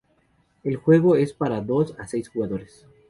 El juego es para dos a seis jugadores.